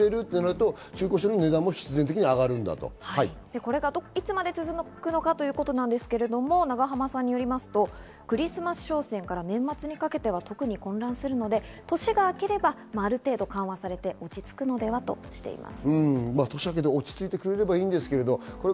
これがいつまで続くのかということなんですけれども永濱さんによりますと、クリスマス商戦から年末にかけては特に混乱するので年が明ければ、ある程度緩和されて落ち着くのではと言っています。